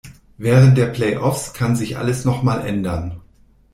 Während der Play-Offs kann sich alles noch mal ändern.